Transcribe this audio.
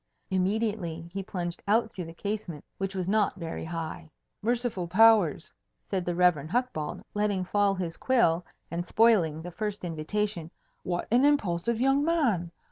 Immediately he plunged out through the casement, which was not very high. "Merciful powers!" said the Rev. Hucbald, letting fall his quill and spoiling the first invitation, "what an impulsive young man!